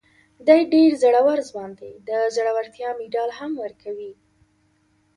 دی ډېر زړور ځوان دی، د زړورتیا مېډال هم ورکوي.